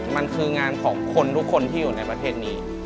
มันคืองานของคนทุกคนที่อยู่ในประเทศนี้